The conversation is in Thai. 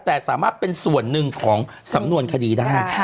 แต่สามารถเป็นส่วนหนึ่งของสำนวนคดีได้